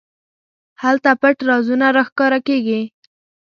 هلته پټ رازونه راښکاره کېږي.